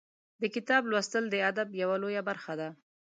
د کتاب لوستل د ادب یوه لویه برخه ده.